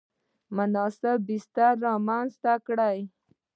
مناسب بستر رامنځته کړ.